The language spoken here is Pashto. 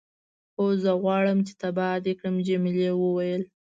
هو، زه غواړم چې تباه دې کړم. جميلې وويل:.